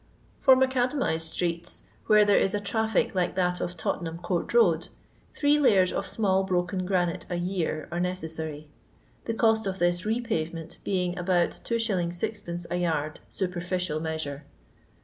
For macadamized streets, where there is a traffic like that of Tottenham Court road, three layers of small broken granite a year are necessary ; the cost of thu repayement being about 2s, 6d. a yard superficial measure.